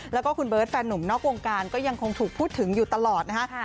แล้วก็คุณเบิร์ตแฟนหนุ่มนอกวงการก็ยังคงถูกพูดถึงอยู่ตลอดนะฮะ